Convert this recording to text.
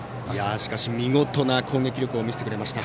見事な攻撃力を見せてくれました。